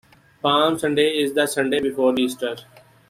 Palm Sunday is the Sunday before Easter.